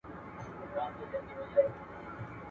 ایا روژه بدلون راولي؟